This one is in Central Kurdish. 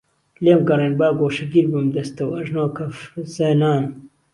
لێم گەڕێن با گۆشەگیر بم دەستەوئەژنۆ کەفزەنان